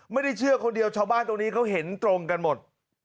ไม่ได้เชื่อคนเดียวชาวบ้านตรงนี้เขาเห็นตรงกันหมด